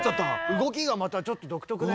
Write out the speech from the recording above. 動きがまたちょっと独特ね。